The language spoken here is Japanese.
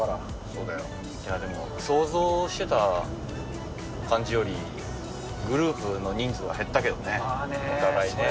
そうだよ、でも、想像してた感じより、グループの人数は減ったけどね、お互いね。